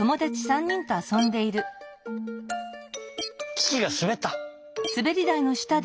キキがすべった。